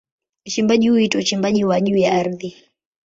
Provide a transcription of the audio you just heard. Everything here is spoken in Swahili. Uchimbaji huu huitwa uchimbaji wa juu ya ardhi.